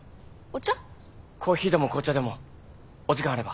コーヒーでも紅茶でもお時間あれば。